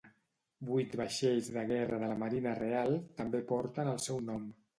Vuit vaixells de guerra de la Marina real també porten el seu nom.